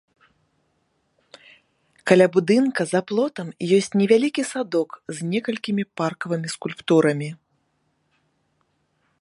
Каля будынка за плотам ёсць невялікі садок з некалькімі паркавымі скульптурамі.